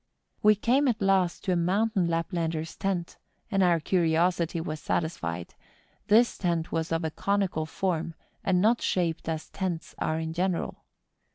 We came at last to a mountain Laplander's tent, and our curiosity was satisfied: this tent was of a conical form, and not shaped as tents are in general.